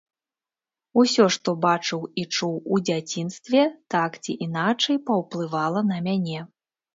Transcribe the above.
Усё, што бачыў і чуў у дзяцінстве, так ці іначай паўплывала на мяне.